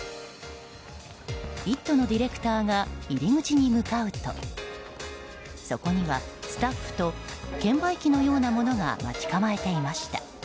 「イット！」のディレクターが入り口に向かうとそこには、スタッフと券売機のようなものが待ち構えていました。